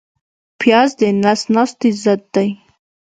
پیاز د نس ناستي ضد دی